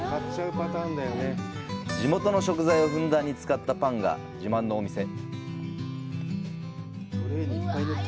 地元の食材をふんだんに使ったパンが自慢のお店。